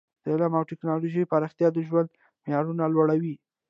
د علم او ټکنالوژۍ پراختیا د ژوند معیارونه لوړوي.